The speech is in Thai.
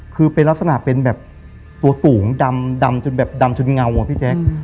คือเป็นลักษณะเป็นแบบตัวสูงดำจนแบบดำจนเงาอะพี่แจ๊ค